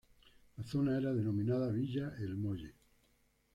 La zona era denominada Villa El Molle.